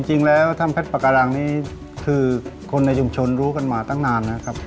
จริงแล้วถ้ำเพชรปาการังนี่คือคนในชุมชนรู้กันมาตั้งนานนะครับ